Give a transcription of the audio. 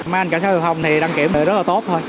mấy anh cảnh sát giao thông thì đăng kiểm rất là tốt thôi